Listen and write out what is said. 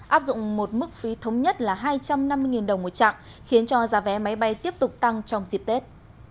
áp dụng một mức phí thống nhất là hai trăm năm mươi đồng một chặng khiến cho giá vé máy bay tiếp tục tăng trong dịp tết